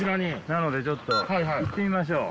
なのでちょっと行ってみましょう。